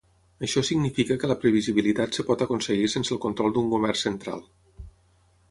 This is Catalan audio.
Això significa que la previsibilitat es pot aconseguir sense el control d'un Govern central.